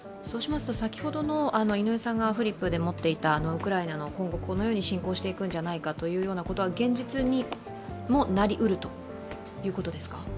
そうしますと、先ほど井上さんがフリップで持っていた、ウクライナの今後このように侵攻していくんじゃないかということが現実にもなりうるということですか。